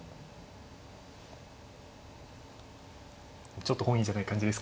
ちょっと本意じゃない感じですか。